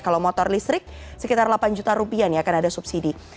kalau motor listrik sekitar delapan juta rupiah nih akan ada subsidi